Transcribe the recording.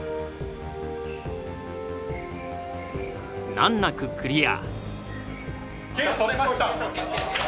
難なくクリア。